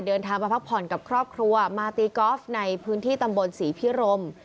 เดินทางมาพักผ่อนกับครอบครัวมาตีกอล์ฟในพื้นที่ตำบลศรีพิรม